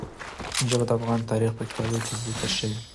ژبې د افغان تاریخ په کتابونو کې ذکر شوی دي.